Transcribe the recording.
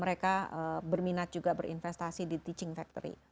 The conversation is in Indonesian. mereka berminat juga berinvestasi di teaching factory